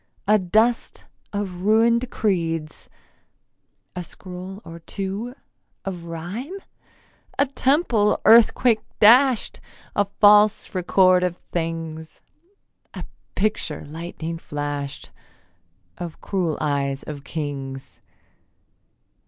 A dust of ruin'd creeds, A scroll or two of rhyme? A temple earthquake dasht? A false record of things? A picture lightning flasht Of cruel eyes of kings?